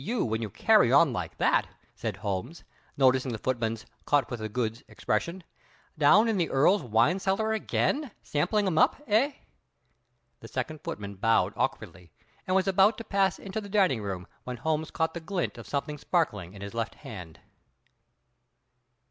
T. U. when you carry on like that," said Holmes, noticing the footman's caught with the goods expression. "Down in the Earl's wine cellar again, sampling 'em up, eh?" The second footman bowed awkwardly, and was about to pass into the dining room when Holmes caught the glint of something sparkling in his left hand.